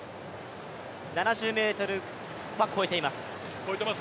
７０ｍは越えています。